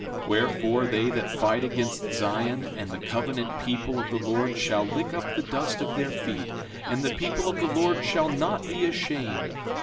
6:13 Wherefore, they that fight against Zion and the covenant people of the Lord shall lick up the dust of their feet; and the people of the Lord shall not be ashamed.